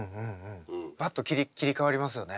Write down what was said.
パッと切り替わりますよね。